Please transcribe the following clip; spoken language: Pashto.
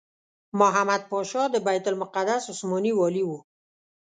محمد پاشا د بیت المقدس عثماني والي وو.